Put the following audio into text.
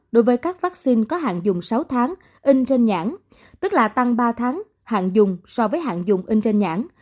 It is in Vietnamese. đối với các vaccine có hạn dùng sáu tháng in trên nhãn tức là tăng ba tháng hạn dùng so với hạn dùng in trên nhãn